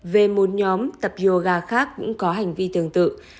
về một nhóm tập yoga khác cũng có hành vi tương tự